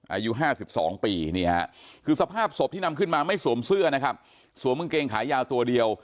อายุ๕๒ปีนี่ฮะคือสภาพศพที่นำขึ้นมาไม่สวมเสื้อนะครับสวมกางเกงขายาวตัวเดียว